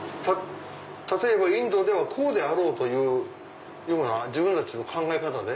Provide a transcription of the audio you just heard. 例えばインドではこうであろうというような自分たちの考え方で？